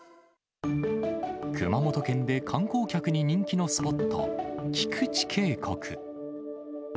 熊本県で観光客に人気のスポット、菊池渓谷。